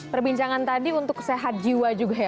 perbincangan tadi untuk sehat jiwa juga ya